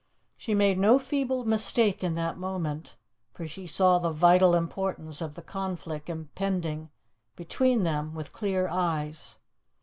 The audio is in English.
She made no feeble mistake in that moment, for she saw the vital importance of the conflict impending between them with clear eyes.